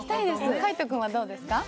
海音君はどうですか？